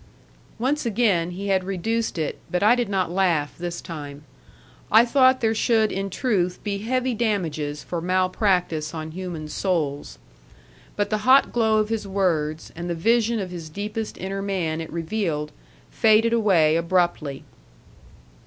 Once again he had reduced it, but I did not laugh this time. I thought there should in truth be heavy damages for malpractice on human souls. But the hot glow of his words, and the vision of his deepest inner man it revealed, faded away abruptly.